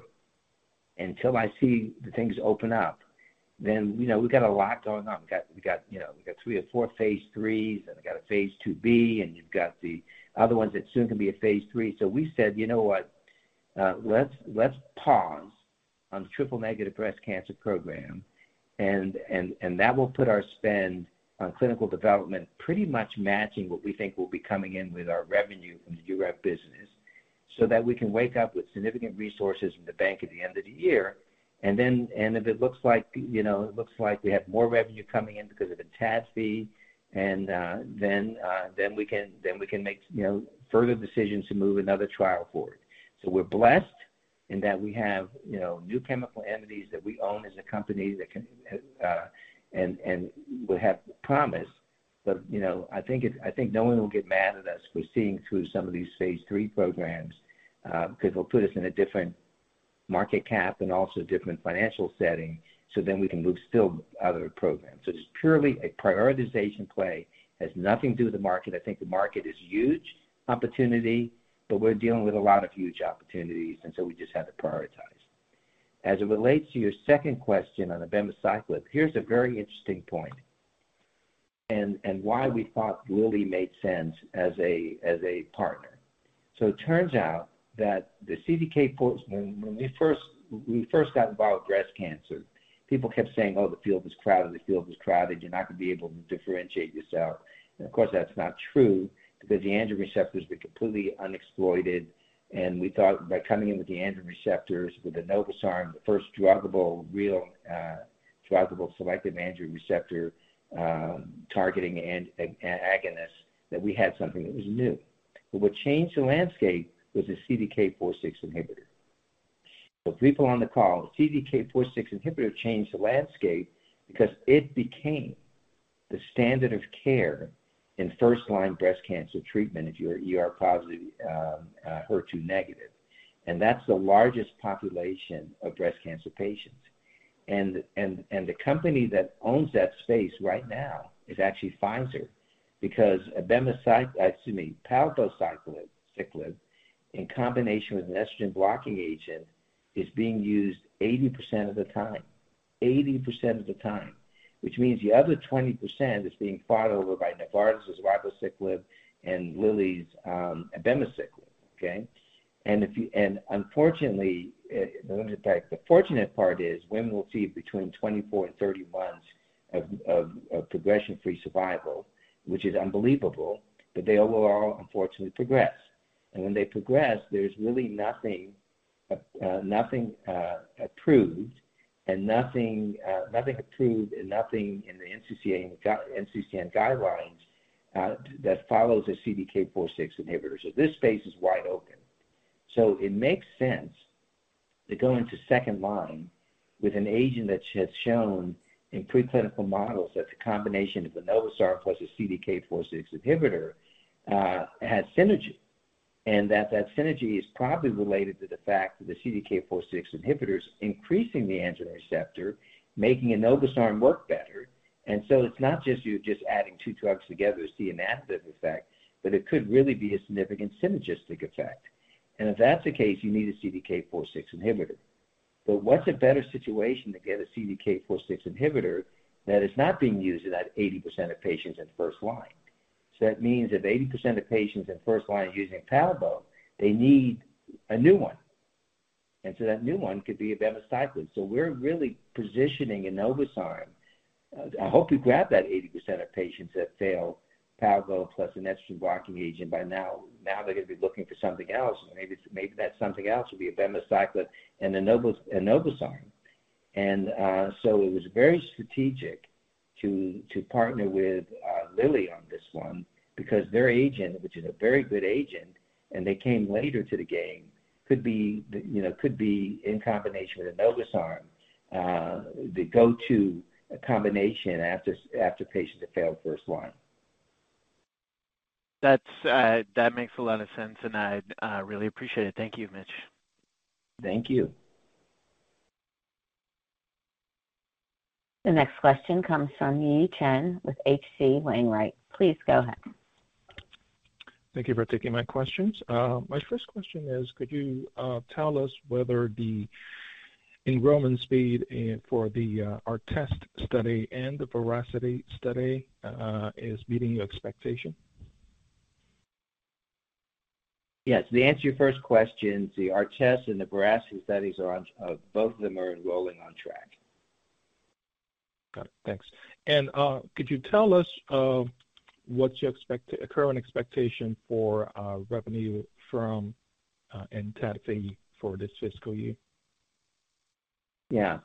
until I see the things open up, then, you know, we've got a lot going on. We've got three or four phase IIIs, and we've got a phase II-B, and you've got the other ones that soon can be a phase III. We said, "You know what? Let's pause on the triple-negative breast cancer program," and that will put our spend on clinical development pretty much matching what we think will be coming in with our revenue from the Urev business, so that we can wake up with significant resources in the bank at the end of the year. If it looks like, you know, it looks like we have more revenue coming in because of the TASB, then we can make, you know, further decisions to move another trial forward. We're blessed in that we have, you know, new chemical entities that we own as a company that can and will have promise. I think no one will get mad at us for seeing through some of these phase III programs, 'cause it'll put us in a different market cap and also different financial setting, so then we can move still other programs. It's purely a prioritization play. It has nothing to do with the market. I think the market is huge opportunity, but we're dealing with a lot of huge opportunities, and we just had to prioritize. As it relates to your second question on abemaciclib, here's a very interesting point and why we thought Lilly made sense as a partner. It turns out that. When we first got involved with breast cancer, people kept saying, "Oh, the field is crowded. You're not gonna be able to differentiate yourself." Of course, that's not true because the androgen receptors were completely unexploited. We thought by coming in with the androgen receptors with enobosarm, the first druggable, real, druggable selective androgen receptor targeting antagonist, that we had something that was new. What changed the landscape was the CDK4/6 inhibitor. People on the call, CDK4/6 inhibitor changed the landscape because it became the standard of care in first-line breast cancer treatment if you are ER-positive, HER2-negative. That's the largest population of breast cancer patients. The company that owns that space right now is actually Pfizer because abemaciclib, excuse me, palbociclib in combination with an estrogen-blocking agent is being used 80% of the time. 80% of the time, which means the other 20% is being fought over by Novartis' ribociclib and Lilly's abemaciclib, okay? Unfortunately, as a matter of fact, the fortunate part is women will see between 24 and 31 months of progression-free survival, which is unbelievable, but they overall unfortunately progress. When they progress, there's really nothing approved and nothing in the NCCN guidelines that follows the CDK4/6 inhibitor. This space is wide open. It makes sense to go into second line with an agent that has shown in preclinical models that the combination of enobosarm plus a CDK4/6 inhibitor has synergy. That synergy is probably related to the fact that the CDK4/6 inhibitor is increasing the androgen receptor, making enobosarm work better. It's not just adding two drugs together to see an additive effect, but it could really be a significant synergistic effect. If that's the case, you need a CDK4/6 inhibitor. What's a better situation to get a CDK4/6 inhibitor that is not being used in that 80% of patients in first line? That means if 80% of patients in first line are using palbociclib, they need a new one. That new one could be abemaciclib. We're really positioning enobosarm. I hope to grab that 80% of patients that fail palbociclib plus an estrogen blocking agent by now. Now they're gonna be looking for something else, and maybe that something else will be abemaciclib and enobosarm. It was very strategic to partner with Lilly on this one because their agent, which is a very good agent, and they came later to the game, could be, you know, could be in combination with enobosarm, the go-to combination after patients have failed first line. That makes a lot of sense, and I really appreciate it. Thank you, Mitch. Thank you. The next question comes from Yi Chen with H.C. Wainwright. Please go ahead. Thank you for taking my questions. My first question is, could you tell us whether the enrollment speed for the ARTEST study and the VERACITY study is meeting your expectation? Yes. To answer your first question, the ARTEST and the VERACITY studies, both of them, are enrolling on track. Got it. Thanks. Could you tell us what's your current expectation for revenue from ENTADFI for this fiscal year? Yeah.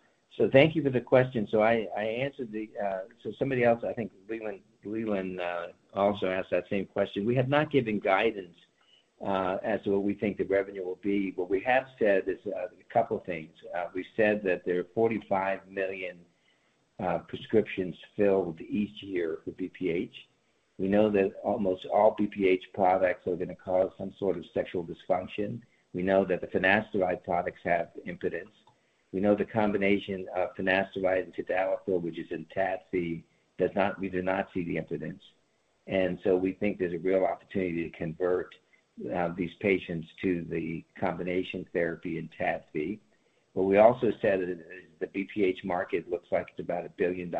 Thank you for the question. I answered. Somebody else, I think Leland, also asked that same question. We have not given guidance as to what we think the revenue will be. What we have said is a couple things. We've said that there are 45 million prescriptions filled each year with BPH. We know that almost all BPH products are gonna cause some sort of sexual dysfunction. We know that the finasteride products have impotence. We know the combination of finasteride and tadalafil, which is ENTADFI, does not. We do not see the impotence. We think there's a real opportunity to convert these patients to the combination therapy ENTADFI. We also said that the BPH market looks like it's about $1 billion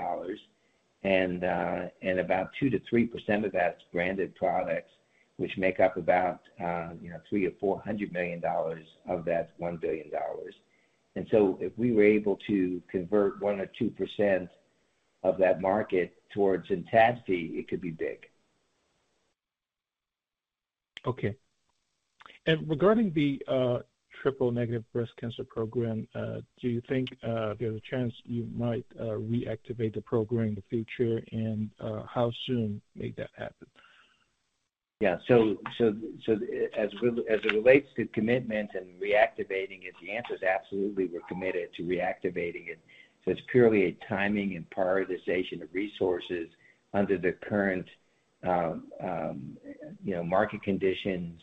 and about 2%-3% of that's branded products, which make up about, you know, $300 million-$400 million of that $1 billion. If we were able to convert 1%-2% of that market towards ENTADFI, it could be big. Okay. Regarding the triple negative breast cancer program, do you think there's a chance you might reactivate the program in the future? How soon may that happen? Yeah. As it relates to commitment and reactivating it, the answer is absolutely we're committed to reactivating it. It's purely a timing and prioritization of resources under the current, you know, market conditions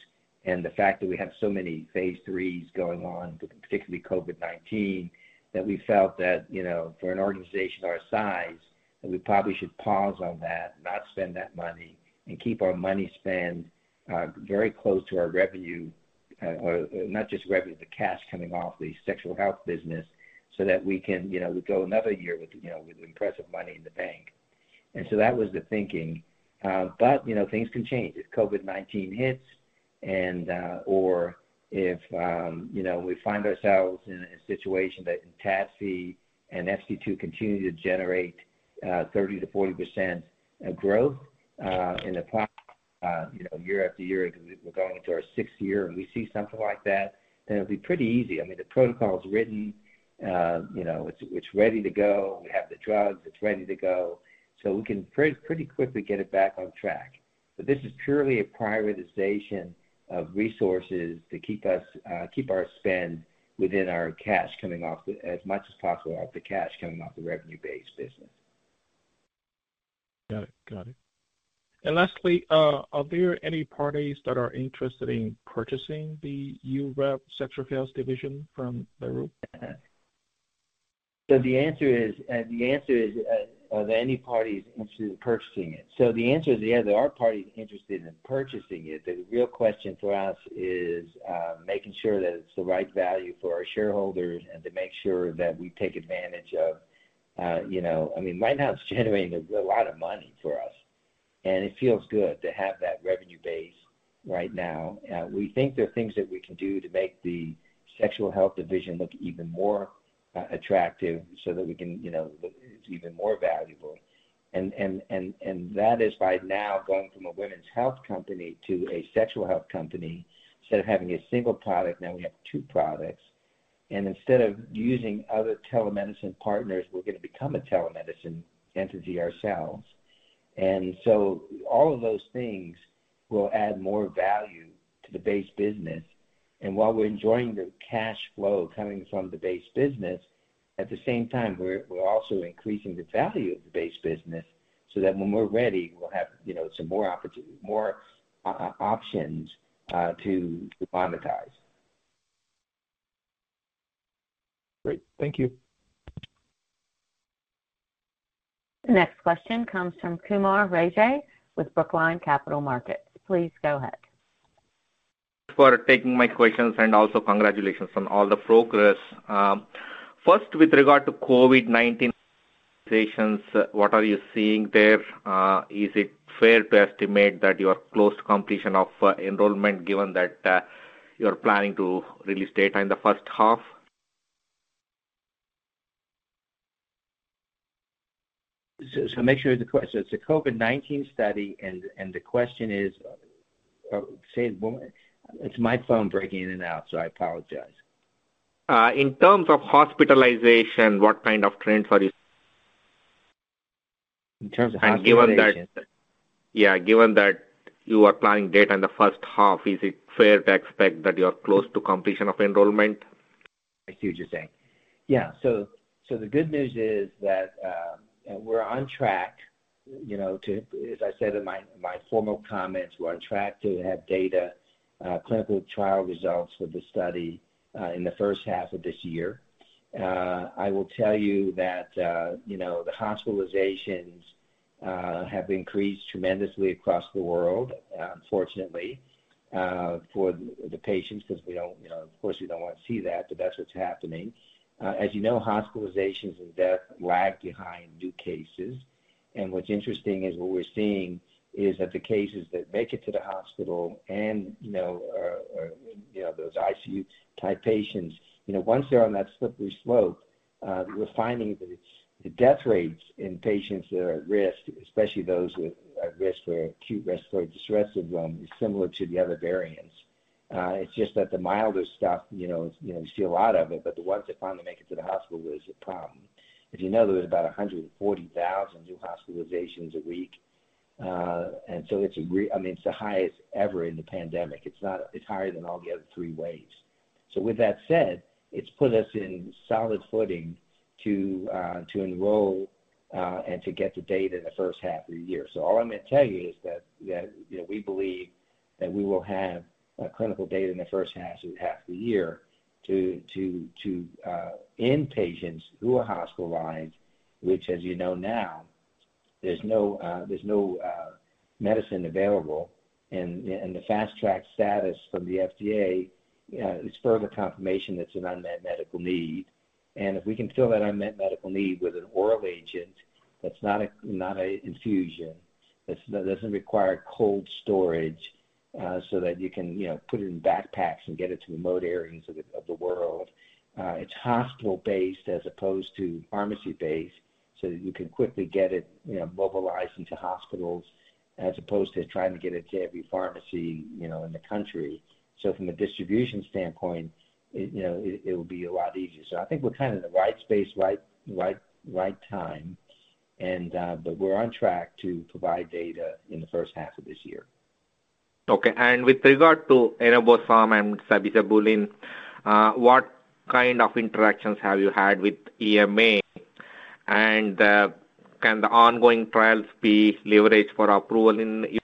and the fact that we have so many phase IIIs going on, with particularly COVID-19, that we felt that, you know, for an organization our size, that we probably should pause on that, not spend that money, and keep our money spent, very close to our revenue, or not just revenue, the cash coming off the sexual health business so that we can, you know, go another year with, you know, with impressive money in the bank. That was the thinking. You know, things can change. If COVID-19 hits and or if you know we find ourselves in a situation that Urev and FC2 continue to generate 30%-40% growth you know year after year, we're going into our sixth year and we see something like that, then it'll be pretty easy. I mean, the protocol is written. You know, it's ready to go. We have the drugs, it's ready to go. So we can pretty quickly get it back on track. This is purely a prioritization of resources to keep our spend within our cash coming off the revenue-based business as much as possible. Got it. Lastly, are there any parties that are interested in purchasing the Urev sexual health division from Veru? The answer is, are there any parties interested in purchasing it? The answer is yeah, there are parties interested in purchasing it. The real question for us is making sure that it's the right value for our shareholders and to make sure that we take advantage of you know. I mean, right now it's generating a lot of money for us, and it feels good to have that revenue base right now. We think there are things that we can do to make the sexual health division look even more attractive so that we can, you know, look even more valuable. That is by now going from a women's health company to a sexual health company. Instead of having a single product, now we have two products. Instead of using other telemedicine partners, we're gonna become a telemedicine entity ourselves. All of those things will add more value to the base business. While we're enjoying the cash flow coming from the base business, at the same time we're also increasing the value of the base business so that when we're ready, we'll have, you know, some more opportunities, more options, to monetize. Great. Thank you. The next question comes from Kumar Raja with Brookline Capital Markets. Please go ahead. For taking my questions, and also congratulations on all the progress. First, with regard to COVID-19 patients, what are you seeing there? Is it fair to estimate that you are close to completion of enrollment given that you're planning to release data in the first half? Make sure the question. It's a COVID-19 study and the question is, say it one more. It's my phone breaking in and out, so I apologize. In terms of hospitalization, what kind of trends are you seeing? In terms of hospitalizations. Given that you are planning data in the first half, is it fair to expect that you are close to completion of enrollment? I hear what you're saying. Yeah. The good news is that we're on track, you know, to as I said in my formal comments, we're on track to have data, clinical trial results for the study, in the first half of this year. I will tell you that, you know, the hospitalizations have increased tremendously across the world, unfortunately, for the patients, 'cause we don't, you know, of course, we don't want to see that, but that's what's happening. As you know, hospitalizations and death lag behind new cases. What's interesting is what we're seeing is that the cases that make it to the hospital and, you know, you know, those ICU-type patients, you know, once they're on that slippery slope, we're finding that it's the death rates in patients that are at risk, especially those at risk for acute respiratory distress syndrome, is similar to the other variants. It's just that the milder stuff, you know, you know, you see a lot of it, but the ones that finally make it to the hospital is a problem. If you know, there's about 140,000 new hospitalizations a week, and so I mean, it's the highest ever in the pandemic. It's higher than all the other three waves. With that said, it's put us in solid footing to enroll and to get the data in the first half of the year. All I'm gonna tell you is that, you know, we believe that we will have clinical data in the first half of the year to in-patients who are hospitalized, which, as you know now, there's no medicine available. The Fast Track status from the FDA is further confirmation that it's an unmet medical need. If we can fill that unmet medical need with an oral agent that's not an infusion, that doesn't require cold storage, so that you can, you know, put it in backpacks and get it to remote areas of the world. It's hospital-based as opposed to pharmacy-based so that you can quickly get it, you know, mobilized into hospitals as opposed to trying to get it to every pharmacy, you know, in the country. From a distribution standpoint, you know, it would be a lot easier. I think we're kind of in the right space, right time and we're on track to provide data in the first half of this year. Okay. With regard to enobosarm and sabizabulin, what kind of interactions have you had with EMA? Can the ongoing trials be leveraged for approval in? As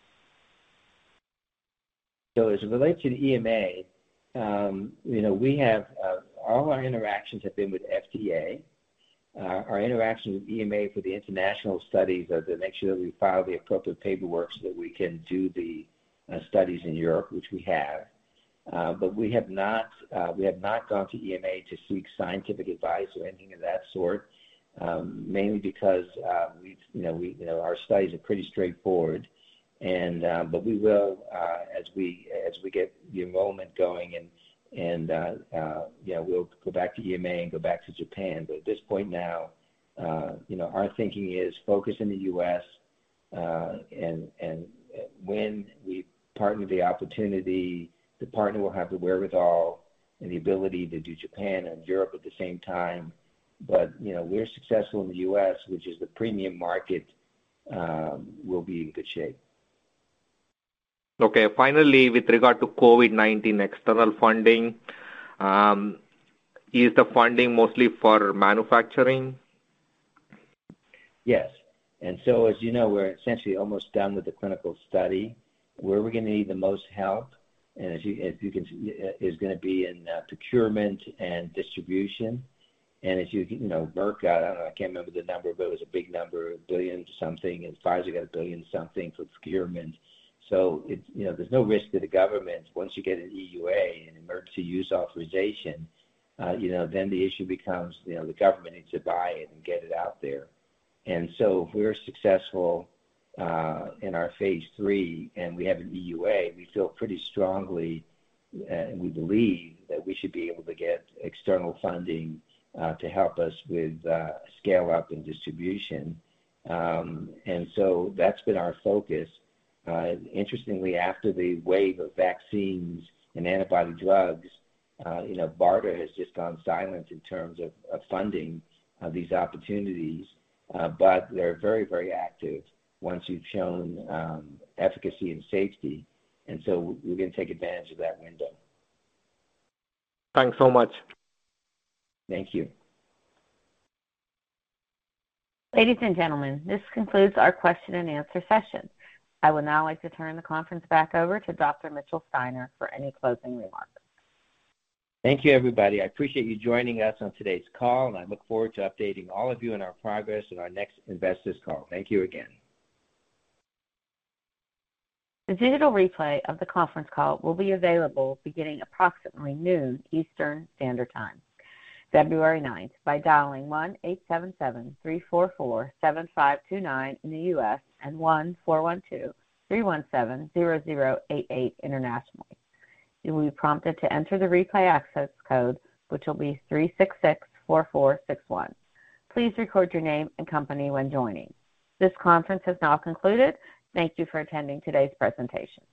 it relates to the EMA, you know, all our interactions have been with FDA. Our interactions with EMA for the international studies have been to make sure that we file the appropriate paperwork so that we can do the studies in Europe, which we have. But we have not gone to EMA to seek scientific advice or anything of that sort, mainly because, you know, our studies are pretty straightforward. But we will, as we get the enrollment going and yeah, we'll go back to EMA and go back to Japan. At this point now, you know, our thinking is focus in the U.S., and when we partner the opportunity, the partner will have the wherewithal and the ability to do Japan and Europe at the same time. You know, we're successful in the U.S., which is the premium market, we'll be in good shape. Okay. Finally, with regard to COVID-19 external funding, is the funding mostly for manufacturing? Yes, as you know, we're essentially almost done with the clinical study. Where we're gonna need the most help is gonna be in procurement and distribution. Merck got I don't know, I can't remember the number, but it was a big number, a billion-something, and Pfizer got a billion-something for procurement. It's no risk to the government once you get an EUA, an emergency use authorization, then the issue becomes, the government needs to buy it and get it out there. If we're successful in our phase III and we have an EUA, we feel pretty strongly and we believe that we should be able to get external funding to help us with scale-up and distribution. That's been our focus. Interestingly, after the wave of vaccines and antibody drugs, you know, BARDA has just gone silent in terms of funding of these opportunities. They're very, very active once you've shown efficacy and safety. We're gonna take advantage of that window. Thanks so much. Thank you. Ladies and gentlemen, this concludes our question and answer session. I would now like to turn the conference back over to Dr. Mitchell Steiner for any closing remarks. Thank you, everybody. I appreciate you joining us on today's call, and I look forward to updating all of you on our progress in our next investors call. Thank you again. The digital replay of the conference call will be available beginning approximately noon Eastern Standard Time, February 9th, by dialing 1-877-344-7529 in the U.S. and 1-412-317-0088 internationally. You will be prompted to enter the replay access code, which will be 366-4461. Please record your name and company when joining. This conference has now concluded. Thank you for attending today's presentation.